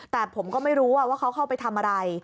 แต่ผมก็ไม่รู้ว่าเขาเข้าไปทำอะไร